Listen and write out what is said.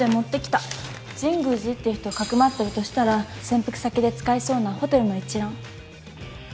神宮寺って人をかくまってるとしたら潜伏先で使いそうなホテルの一覧。